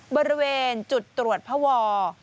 บริเวณจุดตรวจพว